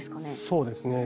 そうですね。